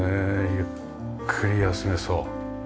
ゆっくり休めそう。